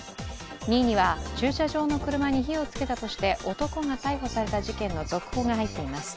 ２位には駐車場の車に火をつけたとして男が逮捕された事件の続報が入っています。